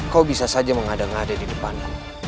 kau bisa saja mengada ngada di depanku